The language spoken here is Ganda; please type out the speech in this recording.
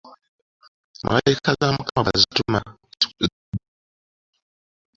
Malayika za Mukama bw'azituma zikunonerawo.